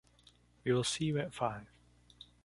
We will see you at five.